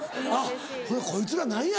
ほなこいつら何や？